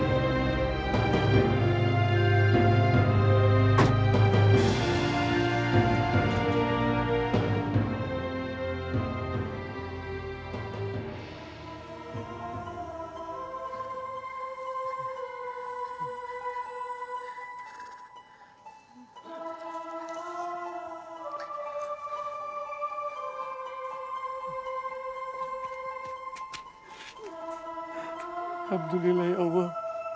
alhamdulillah ya allah